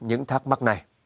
những thắc mắc này